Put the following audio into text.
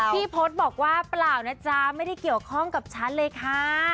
พี่พศบอกว่าเปล่านะจ๊ะไม่ได้เกี่ยวข้องกับฉันเลยค่ะ